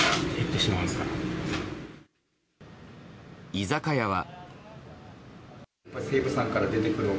居酒屋は。